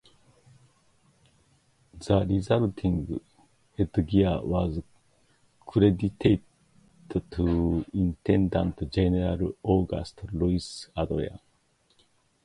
The resulting headgear was credited to Intendant-General August-Louis Adrian.